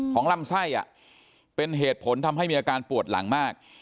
ลำไส้เป็นเหตุผลทำให้มีอาการปวดหลังมาก